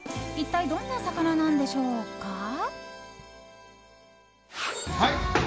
一体どんな魚なんでしょうか。